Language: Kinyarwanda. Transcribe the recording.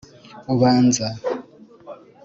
ubanza